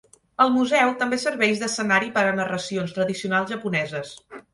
El museu també serveix d'escenari per a narracions tradicionals japoneses.